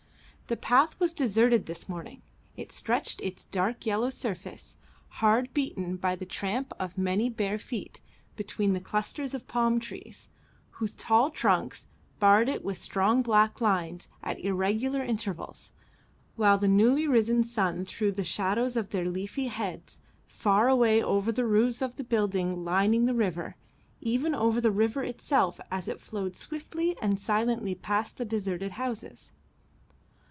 The path was deserted this morning; it stretched its dark yellow surface, hard beaten by the tramp of many bare feet, between the clusters of palm trees, whose tall trunks barred it with strong black lines at irregular intervals, while the newly risen sun threw the shadows of their leafy heads far away over the roofs of the buildings lining the river, even over the river itself as it flowed swiftly and silently past the deserted houses.